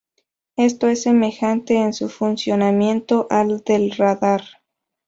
Esto es semejante en su funcionamiento al del radar.